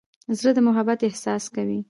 زړه د محبت احساس کوي.